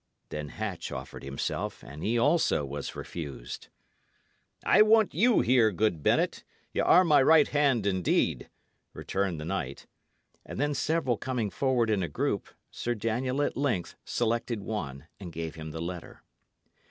Then Hatch offered himself, and he also was refused. "I want you here, good Bennet; y' are my right hand, indeed," returned the knight; and then several coming forward in a group, Sir Daniel at length selected one and gave him the letter.